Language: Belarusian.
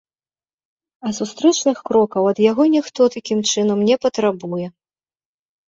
А сустрэчных крокаў ад яго ніхто, такім чынам, не патрабуе.